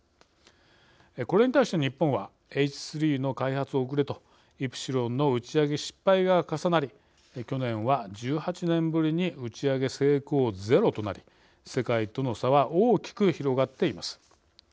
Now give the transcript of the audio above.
これに対して日本はＨ３の開発遅れとイプシロンの打ち上げ失敗が重なり去年は１８年ぶりに打ち上げ成功ゼロとなり世界との差は大きく広がっています。